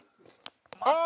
ああ！